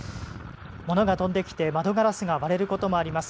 物が飛んできて窓ガラスが割れることもあります。